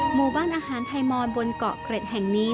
หมู่บ้านอาหารไทยมอนบนเกาะเกร็ดแห่งนี้